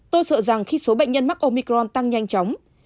tôi sợ rằng khi số bệnh nhân mắc omicron tăng nhanh chóng